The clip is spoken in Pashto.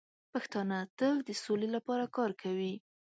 پښتانه تل د سولې لپاره کار کوي.